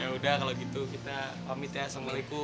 yaudah kalau gitu kita pamit ya assalamualaikum